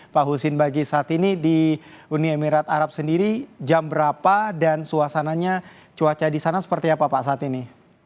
pak husin bagi saat ini di uni emirat arab sendiri jam berapa dan suasananya cuaca di sana seperti apa pak saat ini